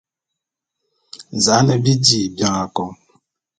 Za'an bi dí bian akôn.